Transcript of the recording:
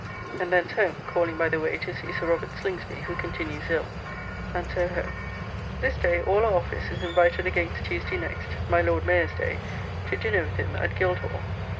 And thence home, calling by the way to see Sir Robert Slingsby, who continues ill, and so home. This day all our office is invited against Tuesday next, my Lord Mayor's day, to dinner with him at Guildhall.